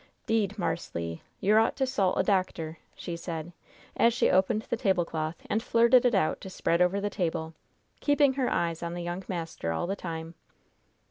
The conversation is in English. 'Deed, Marse Le, yer ought to 'sult a doctor," she said, as she opened the tablecloth and flirted it out to spread over the table, keeping her eyes on the young master all the time.